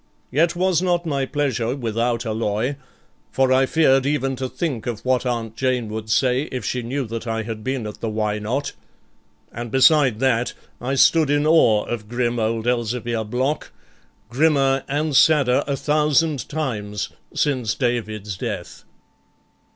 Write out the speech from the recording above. Yet was not my pleasure without alloy, for I feared even to think of what Aunt Jane would say if she knew that I had been at the Why Not? and beside that, I stood in awe of grim old Elzevir Block, grimmer and sadder a thousand times since David's death.